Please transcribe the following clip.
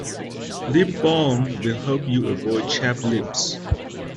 Lip balm will help you avoid chapped lips.